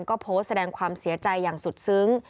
ก็โพสต์แสดงความเสียใจอย่างสุดซึ้ง